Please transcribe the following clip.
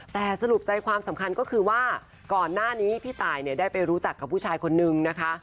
แต่สรุปใจความสำคัญก็คือว่าก่อนหน้านี้พี่ตายเนี่ยได้ไปรู้จักกับผู้ชายคนนึงนะคะ